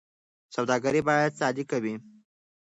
سوداګر باید صادق وي.